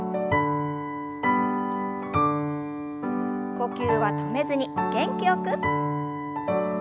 呼吸は止めずに元気よく。